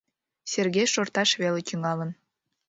Сергей шорташ веле тӱҥалын.